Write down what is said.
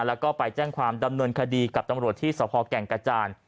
แล้วก็ไปแจ้งความดำเนินคดีกับตำรวจที่สภแก่งกระจาน